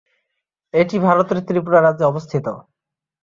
এটি ভারতের ত্রিপুরা রাজ্যে অবস্থিত।